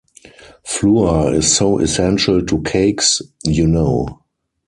Flour is so essential to cakes, you know.